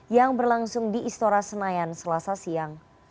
yang berlangsung di istora senayan selasa siang